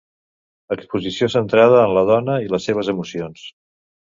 Exposició centrada en la dona i les seves emocions.